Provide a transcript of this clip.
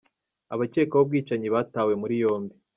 Abakekwaho ubwicanyi batawe muri yombi